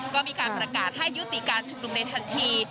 ก็มีการประกาศให้ยุติการชุมนุมในทันที